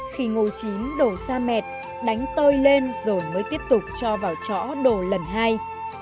khi ngô chín đổ ra mẹt đánh tơi lên rồi mới tiếp tục cho vào chó đồ lần hai